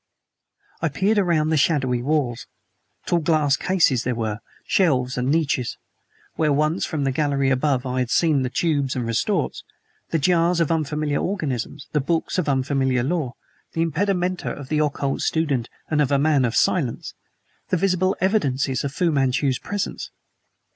I peered around the shadowy walls. Tall glass cases there were, shelves and niches: where once, from the gallery above, I had seen the tubes and retorts, the jars of unfamiliar organisms, the books of unfamiliar lore, the impedimenta of the occult student and man of science the visible evidences of Fu Manchu's presence.